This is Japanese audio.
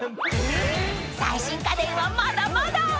［最新家電はまだまだ！］